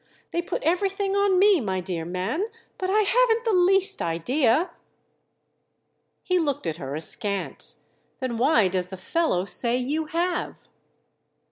"They put everything on me, my dear man—but I haven't the least idea." He looked at her askance. "Then why does the fellow say you have?"